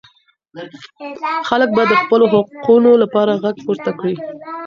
خلګ به د خپلو حقونو لپاره ږغ پورته کړي.